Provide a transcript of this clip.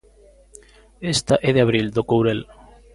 Esta é de abril, do Courel.